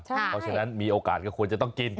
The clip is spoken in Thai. เพราะฉะนั้นมีโอกาสก็ควรจะต้องกิน